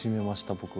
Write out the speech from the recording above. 僕は。